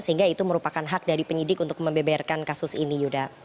sehingga itu merupakan hak dari penyidik untuk membeberkan kasus ini yuda